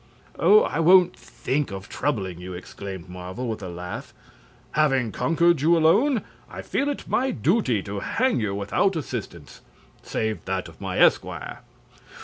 "Oh, I won't think of troubling you," exclaimed Marvel, with a laugh. "Having conquered you alone, I feel it my duty to hang you without assistance save that of my esquire."